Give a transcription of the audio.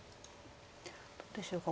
どうでしょうか。